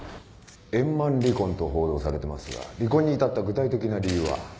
円満離婚と報道されてますが離婚に至った具体的な理由は？